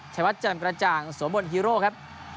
ชวัดเจินกระจ่างสวบนฮีโร่ครับ